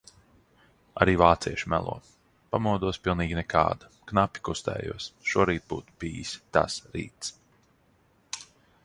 Arī vācieši melo. Pamodos pilnīgi nekāda, knapi kustējos, šorīt būtu bijis tas rīts.